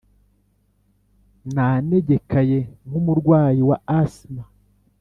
Nanegekaye nkumurwayi wa asima